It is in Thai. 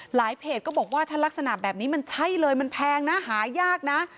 เพจก็บอกว่าถ้ารักษณะแบบนี้มันใช่เลยมันแพงนะหายากนะ